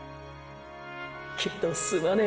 けどすまねぇ